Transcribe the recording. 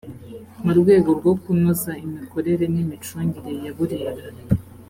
mu rwego rwo kunoza imikorere n’ imicungire ya burera .